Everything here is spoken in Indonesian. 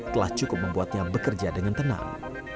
telah cukup membuatnya bekerja dengan tenang